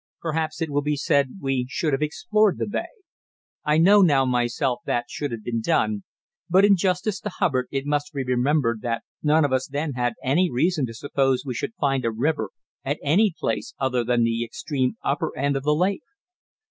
Perhaps it will be said we should have explored the bay. I know now myself that should have been done, but in justice to Hubbard it must be remembered that none of us then had any reason to suppose we should find a river at any place other than the extreme upper end of the lake.